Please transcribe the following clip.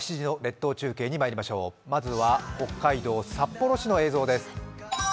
まずは北海道札幌市の映像です。